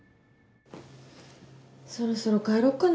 そろそろ帰ろっかな。